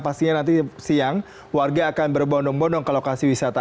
pastinya nanti siang warga akan berbondong bondong ke lokasi wisata